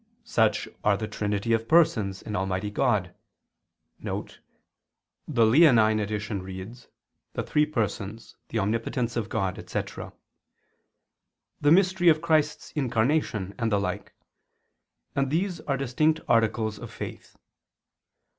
Such are the Trinity of Persons in Almighty God [*The Leonine Edition reads: The Three Persons, the omnipotence of God, etc.], the mystery of Christ's Incarnation, and the like: and these are distinct articles of faith.